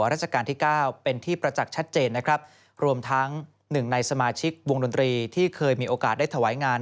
ราชการที่เก้าเป็นที่ประจักษ์ชัดเจนนะครับรวมทั้งหนึ่งในสมาชิกวงดนตรีที่เคยมีโอกาสได้ถวายงาน